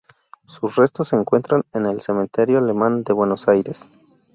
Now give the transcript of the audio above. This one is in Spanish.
Sus restos se encuentran en el cementerio Alemán de Buenos aires.